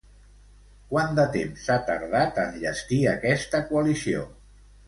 Quant de temps s'ha tardat a enllestir aquesta coalició?